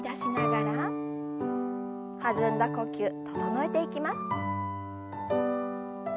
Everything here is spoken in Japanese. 弾んだ呼吸整えていきます。